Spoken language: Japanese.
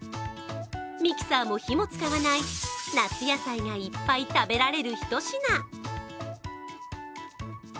ミキサーも火も使わない、夏野菜がいっぱい食べられるひと品。